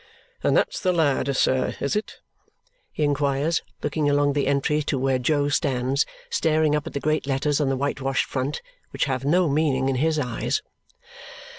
"And that's the lad, sir, is it?" he inquires, looking along the entry to where Jo stands staring up at the great letters on the whitewashed front, which have no meaning in his eyes.